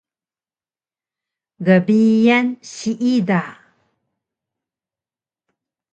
Gbiyan siida